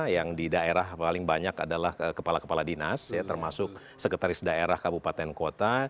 yang di daerah paling banyak adalah kepala kepala dinas termasuk sekretaris daerah kabupaten kota